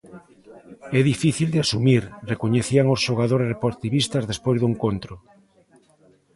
É difícil de asumir, recoñecían os xogadores deportivistas despois do encontro.